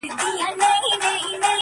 که سړی ورخ د اوښکو وتړي هم,